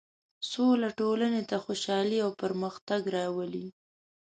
سوله ټولنې ته خوشحالي او پرمختګ راولي.